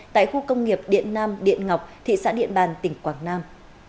tại khu công nghiệp điện nam điện ngọc thị xã điện bàn tỉnh quảng nam